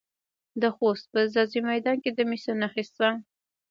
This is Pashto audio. د خوست په ځاځي میدان کې د مسو نښې شته.